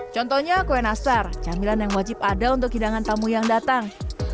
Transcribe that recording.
contohnya kue nastar camilan yang wajib ada untuk hidangan tamu yang datang